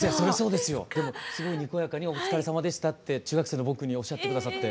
でもすごいにこやかにお疲れさまでしたって中学生の僕におっしゃって下さって。